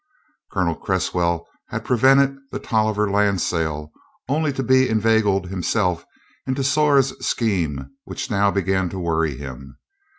Colonel Cresswell had prevented the Tolliver land sale, only to be inveigled himself into Zora's scheme which now began to worry him.